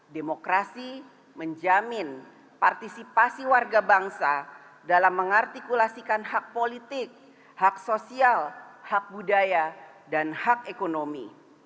demokrasi menjamin partisipasi warga bangsa dalam mengartikulasikan hak politik hak sosial hak budaya dan hak ekonomi